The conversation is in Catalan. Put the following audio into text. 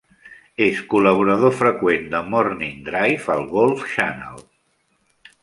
És col·laborador freqüent de "Morning Drive" al Golf Channel.